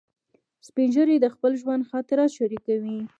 سپین ږیری د خپل ژوند خاطرات شریکوي